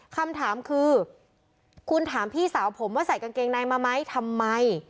คำถามคือคุณถามพี่สาวผมว่าใส่กางเกงในมาไหมทำไม